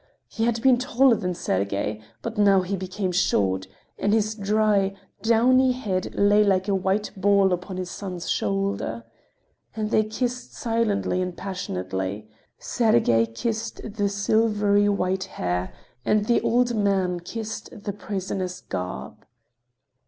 He had been taller than Sergey, but now he became short, and his dry, downy head lay like a white ball upon his son's shoulder. And they kissed silently and passionately: Sergey kissed the silvery white hair, and the old man kissed the prisoner's garb.